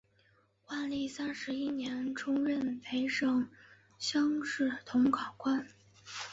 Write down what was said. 万历三十一年充任本省乡试同考官。